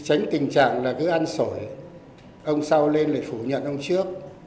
tránh tình trạng là cứ ăn sổi ông sau lên lại phủ nhận ông trước